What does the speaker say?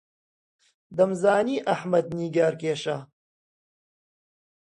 دەمزانی ئەحمەد نیگارکێشە.